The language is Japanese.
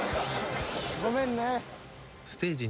ごめんね。